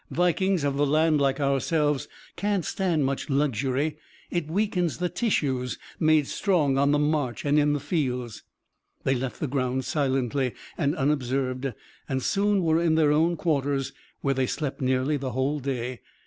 Vikings of the land like ourselves can't stand much luxury. It weakens the tissues, made strong on the march and in the fields." They left the grounds silently and unobserved and soon were in their own quarters, where they slept nearly the whole day.